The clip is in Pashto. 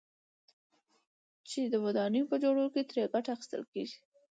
چې د ودانيو په جوړولو كې ترې گټه اخيستل كېږي،